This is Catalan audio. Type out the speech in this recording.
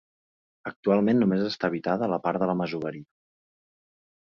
Actualment només està habitada la part de la masoveria.